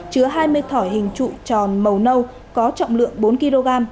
chứa hai mươi thỏi hình trụ tròn màu nâu có trọng lượng bốn kg